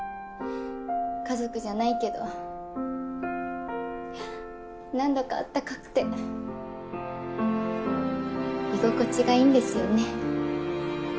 家族じゃないけどなんだかあったかくて居心地がいいんですよね。